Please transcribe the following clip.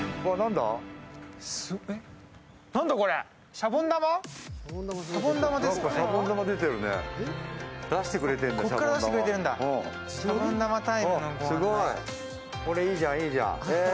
これ、いいじゃん、いいじゃん。